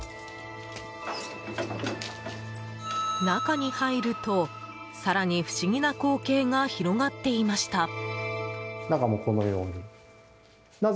中に入ると更に不思議な光景が広がっていました。